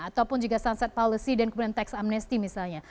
ataupun juga sunset policy dan kemudian tax amnesty misalnya